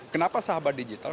kenapa sahabat digital